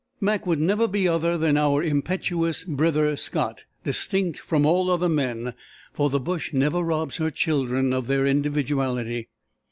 Mac would never be other than our impetuous brither Scot, distinct from all other men, for the bush never robs her children of their individuality.